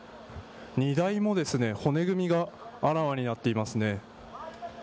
荷台も骨組みがあらわになっていますね。